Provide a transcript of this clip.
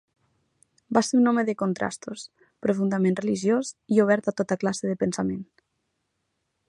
Va ser un home de contrastos: profundament religiós i obert a tota classe de pensament.